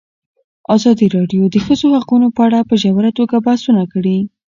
ازادي راډیو د د ښځو حقونه په اړه په ژوره توګه بحثونه کړي.